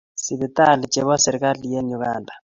sipitalli chebo serkali en uganda